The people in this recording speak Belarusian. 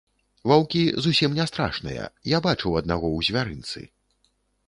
Ваўкі зусім не страшныя, я бачыў аднаго ў звярынцы.